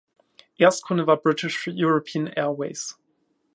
Erstkunde war British European Airways.